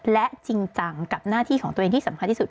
และจริงจังกับหน้าที่ของตัวเองที่สำคัญที่สุด